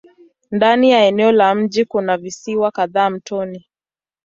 Ndani ya eneo la mji kuna visiwa kadhaa mtoni.